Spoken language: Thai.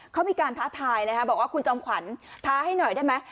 เขามีการท้าทายนะคะบอกว่าคุณจอมขวัญท้าให้หน่อยได้ไหม